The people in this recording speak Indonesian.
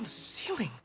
kita di atas